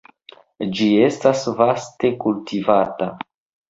Ĝi estas vaste kultivata.